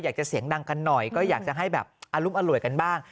เสียงดังกันหน่อยก็อยากจะให้แบบอรุมอร่วยกันบ้าง